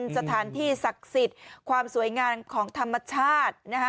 สถานที่ศักดิ์สิทธิ์ความสวยงามของธรรมชาตินะฮะ